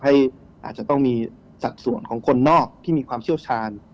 อาจจะต้องมีสัดส่วนของคนนอกที่มีความเชี่ยวชาญ